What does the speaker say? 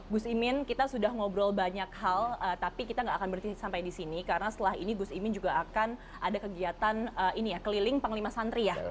gus imin kita sudah ngobrol banyak hal tapi kita nggak akan berhenti sampai di sini karena setelah ini gus imin juga akan ada kegiatan keliling panglima santri ya